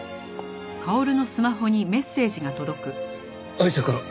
アイシャから！